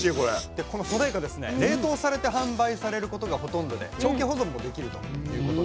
でこのソデイカですね冷凍されて販売されることがほとんどで長期保存もできるということなんですね。